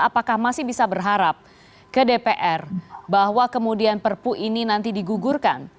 apakah masih bisa berharap ke dpr bahwa kemudian perpu ini nanti digugurkan